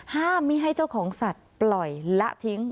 ไม่ให้เจ้าของสัตว์ปล่อยละทิ้ง